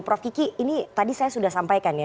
prof kiki ini tadi saya sudah sampaikan ya